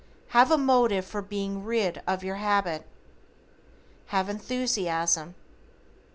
Have a motive for being rid of your habit. Have enthusiasm.